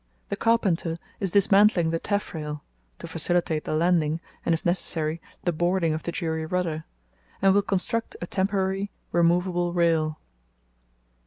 The carpenter is dismantling the taffrail (to facilitate the landing and, if necessary, the boarding of the jury rudder) and will construct a temporary, removable rail.